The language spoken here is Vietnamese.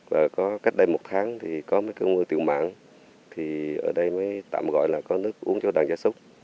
và có cách đây một tháng thì có mấy cơn mưa tiểu mạng thì ở đây mới tạm gọi là có nước uống cho đàn gia súc